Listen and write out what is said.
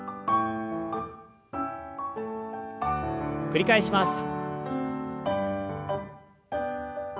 繰り返します。